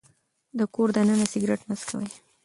د کور دننه سګرټ مه څکوئ.